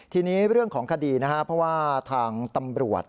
ทีนี้เรื่องของคดีนะครับเพราะว่าทางตำรวจ